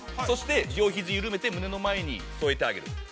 そして両肘緩めて胸の前に添えて、あげる。